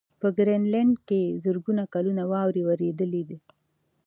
په ګرینلنډ کې زرګونه کلونه واوره ورېدلې ده